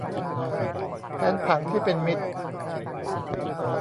แผนผังที่เป็นมิตร